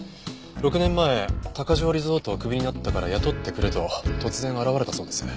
６年前高城リゾートをクビになったから雇ってくれと突然現れたそうです。